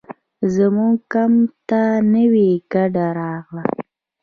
زموږ کمپ ته نوې کډه راغله.